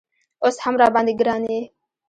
اوس هم راباندې ګران یې